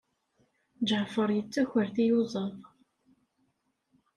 Ǧeɛfer yettaker tiyuẓaḍ.